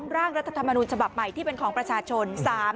ร่างรัฐธรรมนูญฉบับใหม่ที่เป็นของประชาชน